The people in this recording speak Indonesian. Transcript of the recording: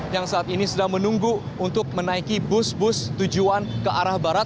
yang saat ini sedang menunggu untuk menaiki bus bus tujuan ke arah barat